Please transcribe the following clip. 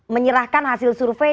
menyerahkan hasil survei